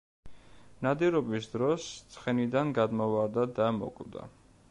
ნადირობის დროს ცხენიდან გადმოვარდა და მოკვდა.